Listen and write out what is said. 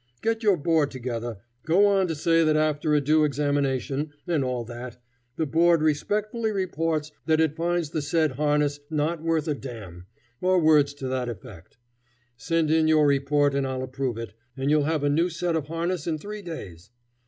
Get your board together, go on to say that after a due examination, and all that, the board respectfully reports that it finds the said harness not worth a damn, or words to that effect; send in your report and I'll approve it, and you'll have a new set of harness in three days.